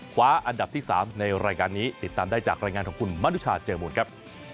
คว้าอันดับที่๓ในรายการนี้ติดตามได้จากรายงานของคุณมนุชาเจอมูลครับ